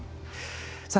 さあ